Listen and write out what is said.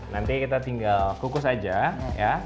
nanti kita tinggal kukus aja ya